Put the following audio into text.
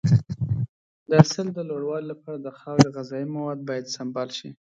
د حاصل د لوړوالي لپاره د خاورې غذایي مواد باید سمبال شي.